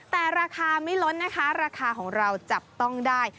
แต่ราคาไม่ล้นนะคะราคาของเราจับต้องได้